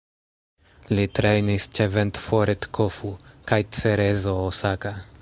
Li trejnis ĉe Ventforet Kofu kaj Cerezo Osaka.